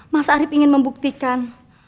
mas arief ingin membuktikan